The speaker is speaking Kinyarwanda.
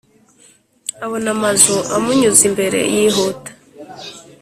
abona amazu amunyuze imbere yihuta;